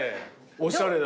おしゃれ。